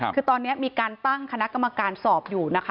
คือตอนนี้มีการตั้งคณะกรรมการสอบอยู่นะคะ